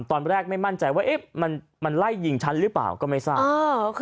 ตอนแรกไม่มั่นใจว่ามันไล่ยิงฉันหรือเปล่าก็ไม่ทราบ